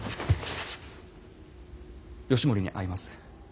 義盛に会います。